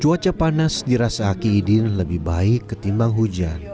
cuaca panas di rasa aki i din lebih baik ketimbang hujan